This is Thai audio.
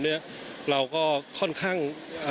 เราก็ค่อนข้าง